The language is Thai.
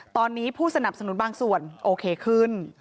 ตอนนี้ผู้สนับสนุนบางส่วนโอเคขึ้น